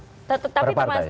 per partai per partai